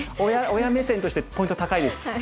親目線としてポイント高いです。